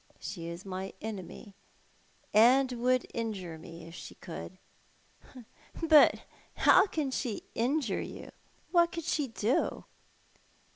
She is my enemy, and would injure me if she could." " But how could she injure you— what could she do